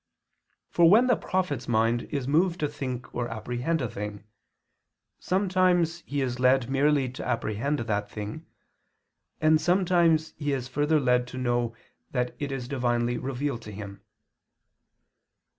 For when the prophet's mind is moved to think or apprehend a thing, sometimes he is led merely to apprehend that thing, and sometimes he is further led to know that it is divinely revealed to him.